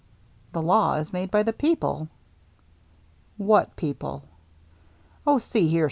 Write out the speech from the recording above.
The law is made by the people." " What people ?"" Oh, see here.